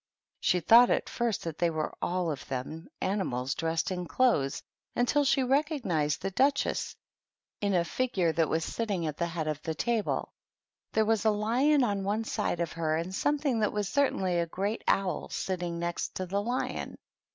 She thought at first that they were all of them animals dressed in clothes, until she recog nized the Duchess in a figure that was sitting at THE TEA TABLE. 65 the head of the table; there was a lion on one side of her, and something that was certainly a great owl sitting next to the lion.